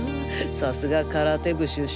さすが空手部主将。